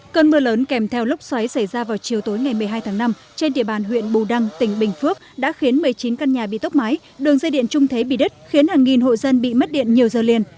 cơn mưa lớn kèm theo lốc xoáy xảy ra vào chiều tối ngày một mươi hai tháng năm trên địa bàn huyện bù đăng tỉnh bình phước đã khiến một mươi chín căn nhà bị tốc mái đường dây điện trung thế bị đứt khiến hàng nghìn hộ dân bị mất điện nhiều giờ liền